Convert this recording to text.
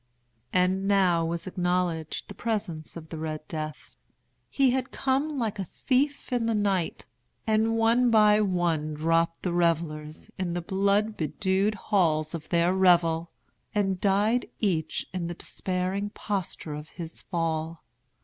And now was acknowledged the presence of the Red Death. He had come like a thief in the night. And one by one dropped the revellers in the blood bedewed halls of their revel, and died each in the despairing posture of his fall.